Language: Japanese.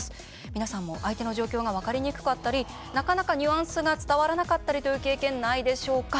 皆さんも相手の状況が分かりにくかったりなかなかニュアンスが伝わらなかったりという経験ないでしょうか？